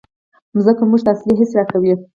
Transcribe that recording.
مځکه موږ ته اصلي حس راکوي.